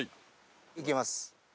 いきます。